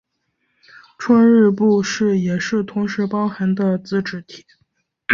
春日部市也是同时包含的自治体。